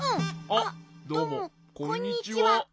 あっどうもこんにちは。